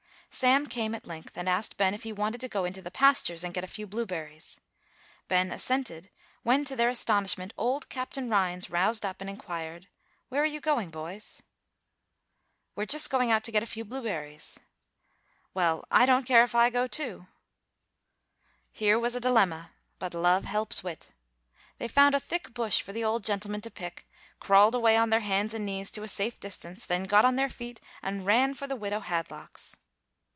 Sam came at length, and asked Ben if he wanted to go into the pastures and get a few blueberries. Ben assented, when, to their astonishment, old Captain Rhines roused up and inquired, "Where are you going, boys?" "We're just going out to get a few blueberries." "Well, I don't care if I go, too." Here was a dilemma; but love helps wit. They found a thick bush for the old gentleman to pick, crawled away on their hands and knees to a safe distance, then got on their feet, and ran for the widow Hadlock's.